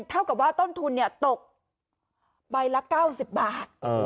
เท่ากับว่าต้นทุนตกใบละ๙๐บาท